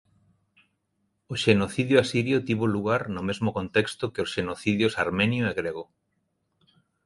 O xenocidio asirio tivo lugar no mesmo contexto que os xenocidios armenio e grego.